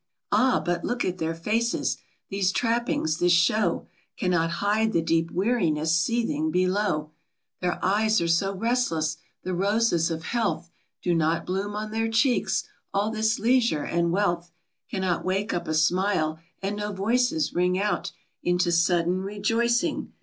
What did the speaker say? Ah ! but look at their faces. These trappings ; this show, Cannot hide the deep weariness seething below. QUEEN DISCONTENT. 53 Their eyes are so restless ; the roses of health Do not bloom on their cheeks. All this leisure and wealth Cannot wake up a smile, and no voices ring out Into sudden rejoicing.